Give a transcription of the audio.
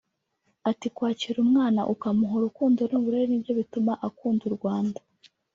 Ati “Kwakira umwana ukamuha urukundo n’uburere nibyo byatuma akunda u Rwanda